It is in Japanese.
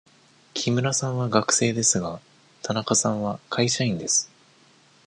木村さんは学生ですが、田中さんは会社員です。